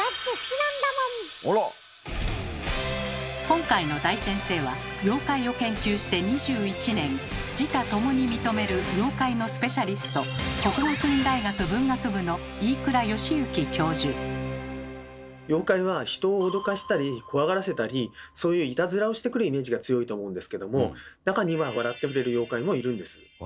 今回の大先生は妖怪を研究して２１年自他ともに認める妖怪のスペシャリスト妖怪は人を脅かしたり怖がらせたりそういういたずらをしてくるイメージが強いと思うんですけども中には笑ってくれる妖怪もいるんです。